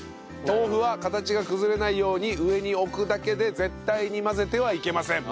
豆腐は形が崩れないように上に置くだけで絶対に混ぜてはいけません。